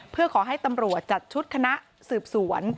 เพื่อขอให้ตำรวจจัดชุดคณะสืบสวน